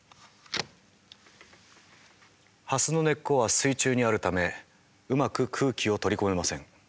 ハスの根っこは水中にあるためうまく空気を取り込めません。